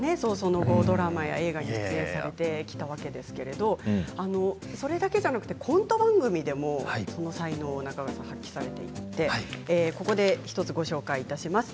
ドラマや映画に出演されてきたんですけれどもそれだけじゃなくてコント番組でもその才能を中川さんは発揮されていて１つご紹介します。